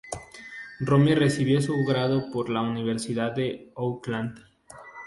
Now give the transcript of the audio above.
Romney recibió su Grado por la Universidad de Oakland.